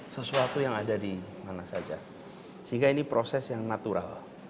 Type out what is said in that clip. sesuatu yang ada di mana saja sehingga ini proses yang natural